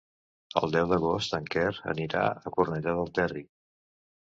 El deu d'agost en Quer anirà a Cornellà del Terri.